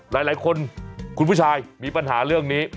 หลายคนคุณผู้ชายมีปัญหาเรื่องนี้